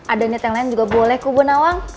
ada niat yang lain juga boleh kubu nawang